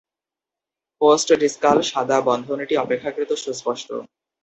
Post-discal সাদা বন্ধনীটি অপেক্ষাকৃত সুস্পষ্ট।